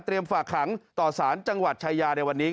ฝากขังต่อสารจังหวัดชายาในวันนี้